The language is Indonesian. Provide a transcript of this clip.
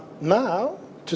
tapi sekarang hari ini